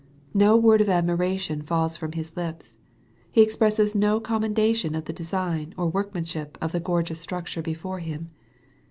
No word of admiration falls from His lips. He expresses no commendation of the design or workman ship of the gorgeous structure before Him.